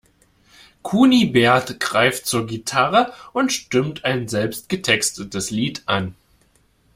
Kunibert greift zur Gitarre und stimmt ein selbst getextetes Lied an.